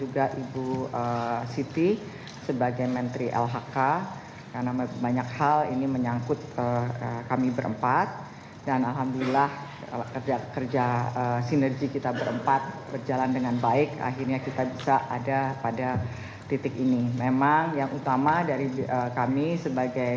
kementerian keuangan telah melakukan upaya upaya